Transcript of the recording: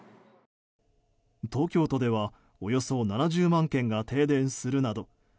東京都ではおよそ７０万軒が停電するなど